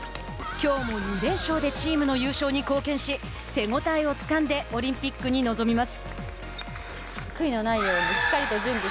きょうも２連勝でチームの優勝に貢献し手応えをつかんでオリンピックに臨みます。